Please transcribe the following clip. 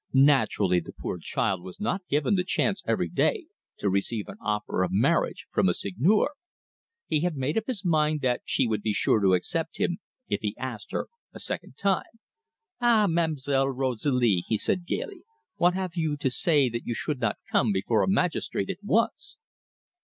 Naturally the poor child was not given the chance every day to receive an offer of marriage from a seigneur. He had made up his mind that she would be sure to accept him if he asked her a second time. "Ah, Ma'm'selle Rosalie," he said gaily, "what have you to say that you should not come before a magistrate at once?"